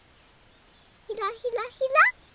ひらひらひら。